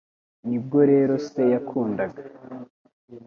Nibwo rero se yakundaga